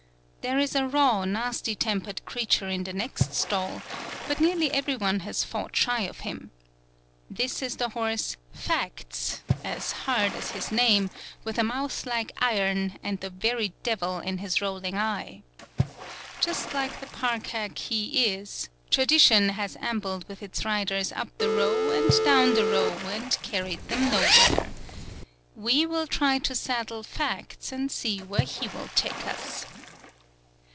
There is a raw, nasty tempered creature in the next stall, but nearly every one has fought shy of him. This is the horse Facts, as hard as his name, with a mouth like iron, and the very devil in his rolling eye. Just like the park hack he is, Tradition has ambled with its riders up the row and down the row, and carried them nowhere. We will try to saddle Facts and see where he will take us.